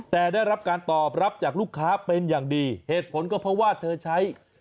แต่ได้รับการตอบรับจากลูกค้าเป็นอย่างดีเหตุผลก็เพราะว่าเธอใช้